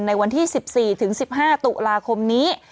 ในวันที่๑๔ถึง๑๕ตุลาคมนี้